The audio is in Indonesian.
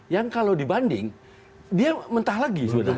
yang kalau dibanding dia mentah lagi sebenarnya